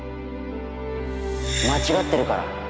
間違ってるから。